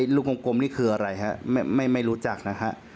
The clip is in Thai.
ลูกกลมนี่คืออะไรครับไม่รู้จักนะครับ